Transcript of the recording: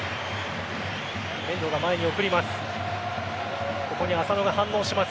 遠藤が前に送ります。